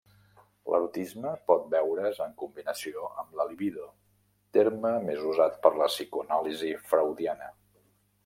L'erotisme pot veure's en combinació amb la libido, terme més usat per la psicoanàlisi freudiana.